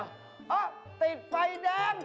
เอ้าติดไฟแดง